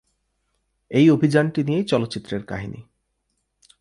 এই অভিযানটি নিয়েই চলচ্চিত্রের কাহিনী।